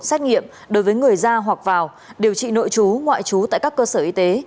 xét nghiệm đối với người ra hoặc vào điều trị nội chú ngoại trú tại các cơ sở y tế